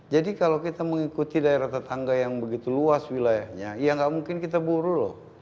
jadi kalau kita mengikuti daerah tetangga yang begitu luas wilayahnya ya enggak mungkin kita buru loh